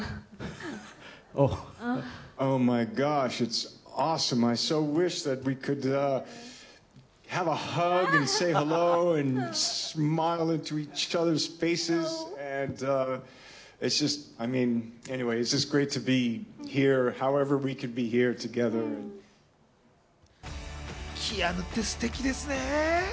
キアヌってすてきですね。